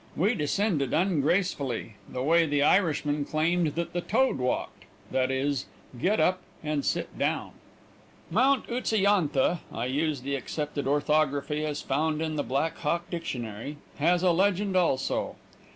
We descended ungracefully the way the Irishman claimed that the toad walked, viz.: "git up and sit down." Mount Utsa yantha I use the accepted orthography as found in the Blackhawk dictionary has a legend also.